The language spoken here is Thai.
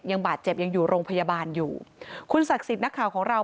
ยังบาดเจ็บยังอยู่โรงพยาบาลอยู่คุณศักดิ์สิทธิ์นักข่าวของเรา